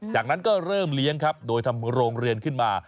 จากนั้นก็เริ่มเลี้ยงครับโดยทำโรงเรียนขึ้นมา